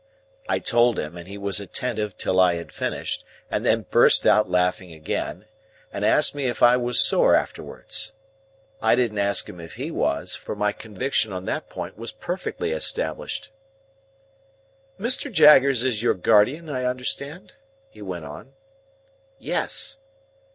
I told him, and he was attentive until I had finished, and then burst out laughing again, and asked me if I was sore afterwards? I didn't ask him if he was, for my conviction on that point was perfectly established. "Mr. Jaggers is your guardian, I understand?" he went on. "Yes."